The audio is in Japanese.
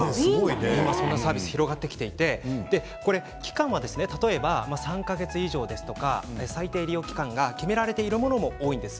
そういうサービスが広がってきていて期間は３か月以上ですとか最低利用期間が決められているものが多いです。